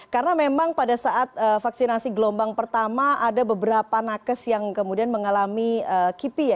karena memang pada saat vaksinasi gelombang pertama ada beberapa nakes yang kemudian mengalami kipi ya